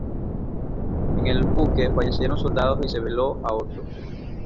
En el buque fallecieron soldados y se veló a otros.